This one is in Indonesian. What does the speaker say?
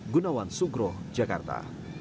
gunawan sugro jakarta